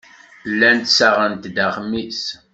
Llant ssaɣent-d aɣmis.